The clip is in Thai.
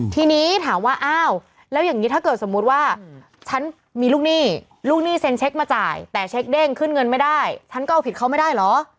ทีนี้ถามว่าอ้าวแล้วอย่างนี้ถ้าเกิดสมมุติว่าฉันมีลูกหนี้ลูกหนี้เซ็นเช็คมาจ่ายแต่เช็คเด้งขึ้นเงินไม่ได้ฉันก็เอาผิดเขาไม่ได้เหรอ